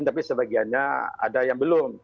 tapi sebagiannya ada yang belum